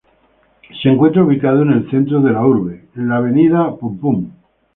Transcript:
Se encuentra ubicado en el centro de la urbe, en la Av.